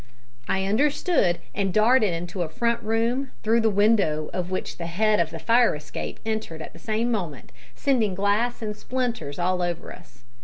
I understood, and darted into a front room, through the window of which the head of the fire escape entered at the same moment, sending glass in splinters all over us.